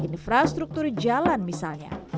infrastruktur jalan misalnya